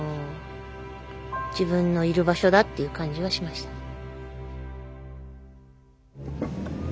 自分のいる場所だっていう感じはしました。